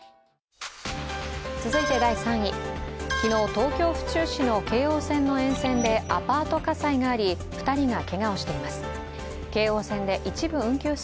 続いて第３位昨日東京・府中市の京王線の沿線でアパート火災があり、２人がけがをしています。